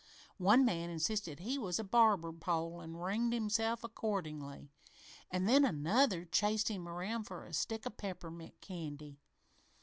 One man insisted he was a barber pole an' ringed himself accordingly, an' then another chased him around for a stick of peppermint candy.